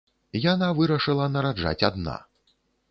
Яна вырашыла нараджаць адна.